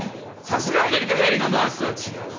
さすがアメリカ帰りのナースは違う。